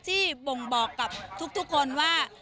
บ่งบอกกับทุกคนว่า